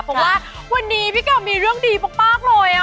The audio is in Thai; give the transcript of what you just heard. เพราะว่าวันนี้พี่ภิกรมมีเรื่องดีปลา๊กรวยอ่ะ